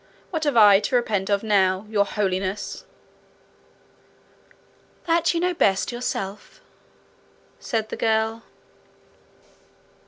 What have I to repent of now, your holiness?' 'That you know best yourself,' said the girl.